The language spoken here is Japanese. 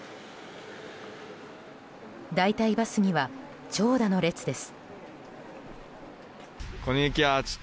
代替バスには長蛇の列です。